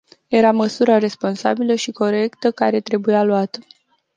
Era măsura responsabilă și corectă care trebuia luată.